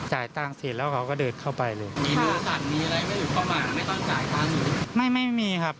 จ่ายตังนนแล้วเขาก็เดินเข้าไปเลยครับนะเลยไม่ไม่มีครับ